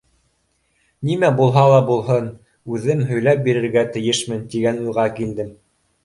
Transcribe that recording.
Нимә булһа ла булһын, үҙем һөйләп бирергә тейешмен, тигән уйға килдем.